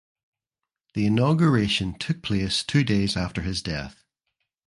The inauguration took place two days after his death.